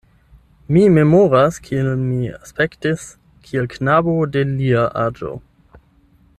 Mi memoras, kiel mi aspektis kiel knabo de lia aĝo.